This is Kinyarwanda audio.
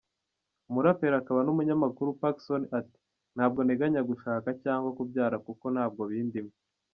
Umuraperi akaba n’umunyamakuru Pacson, ati ”Ntabwo nteganya gushaka cyangwa kubyara kuko ntabwo bindimo.